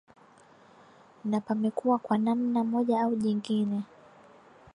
na pamekuwa kwa nanma moja au jingine